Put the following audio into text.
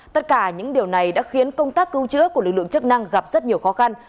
tất cả những điều này đã khiến công tác cứu chữa của lực lượng chức năng gặp rất nhiều khó khăn